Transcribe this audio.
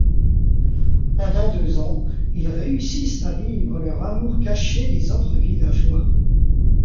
Pendant deux ans, ils réussissent à vivre leur amour cachés des autres villageois.